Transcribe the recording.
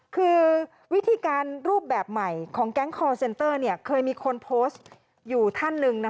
คือวิธีการรูปแบบใหม่ของแก๊งคอร์เซ็นเตอร์เคยมีคนโพสต์อยู่ท่านหนึ่ง